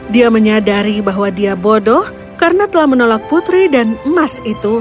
dia menyadari bahwa dia bodoh karena telah menolak putri dan emas itu